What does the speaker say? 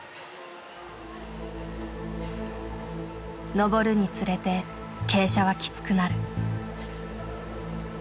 登るにつれて傾斜はきつくなる。